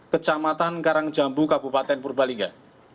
kecamatan karang jambu kabupaten purbalingga